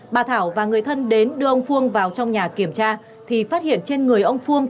bà thảo và người thân đến đưa ông phương vào trong nhà kiểm tra thì phát hiện trên người ông phương